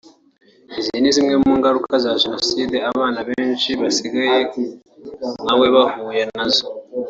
izi ni zimwe mu ngaruka za Jenoside abana benshi basigaye nkawe bahuye nazo